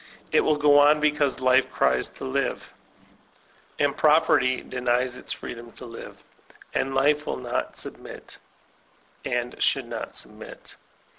It win go on because Life cries to live, and Property denies its freedom to live ; and life will not submit And should not submit.